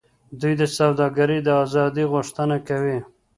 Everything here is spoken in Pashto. دوی د سوداګرۍ د آزادۍ غوښتنه کوي